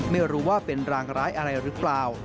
ไม่รู้ว่าเป็นรางร้ายอะไรหรือเปล่า